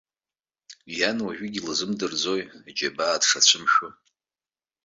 Иан уажәыгь илзымдырӡои аџьабаа дшацәымшәо?